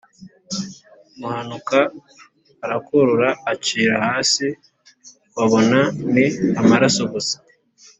Muhanuka arakorora acira hasi babona ni amaraso gusa.